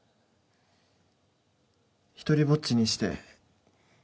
独りぼっちにして